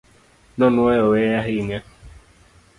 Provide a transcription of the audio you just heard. Nonuoyo wehe ahinya